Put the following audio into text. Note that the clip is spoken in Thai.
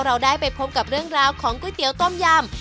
เราได้ไปพบกับเรื่องราวของก๋วยเตี๋ยวต้มยำ